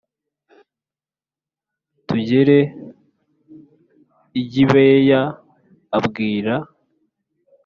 Tugere i gibeya abwira